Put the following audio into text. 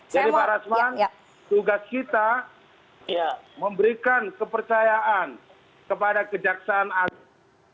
jadi pak arashman tugas kita memberikan kepercayaan kepada kejaksaan agung